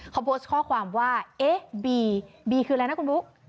เขาโพสต์ข้อความว่าเอ๊ะบีบีคืออะไรนะคุณบุ๊ค